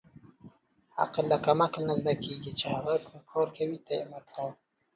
عقل له قمعل نه زدکیږی چی هغه کوم کار کوی ته یی مه کوه